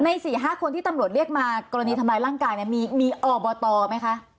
ใน๔๕คนที่ตำรวจเรียกมากรณีทำลายร่างกายมีอบตมั้ยคะ